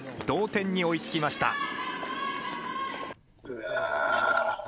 同点に追いつきました。